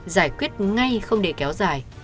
giải quyết ngay không để kéo dài